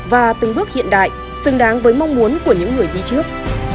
và từng bước hiện đại xứng đáng với mong muốn của những người đi trước